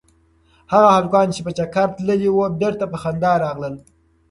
هغه هلکان چې په چکر تللي وو بېرته په خندا راغلل.